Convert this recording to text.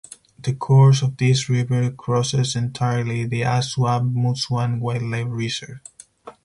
The course of this river crosses entirely the Ashuapmushuan Wildlife Reserve.